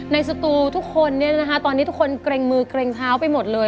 ในสตูทุกคนเนี่ยนะคะตอนนี้ทุกคนเกรงมือเกรงเท้าไปหมดเลย